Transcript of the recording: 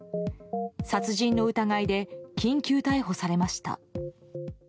殺人の疑いで緊急逮捕されました。